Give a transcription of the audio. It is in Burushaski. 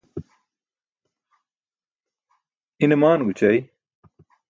ine maan goćai